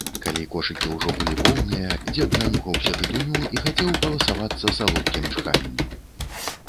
Калі кошыкі ўжо былі поўныя, дзед нанюхаўся тытуню і хацеў паласавацца салодкім чханнем.